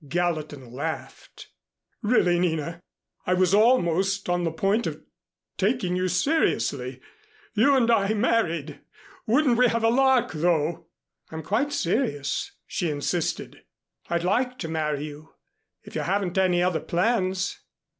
Gallatin laughed. "Really, Nina, I was almost on the point of taking you seriously. You and I married! Wouldn't we have a lark, though?" "I'm quite serious," she insisted. "I'd like to marry you, if you haven't any other plans."